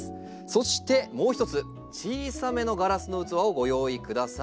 そしてもう一つ小さめのガラスの器をご用意ください。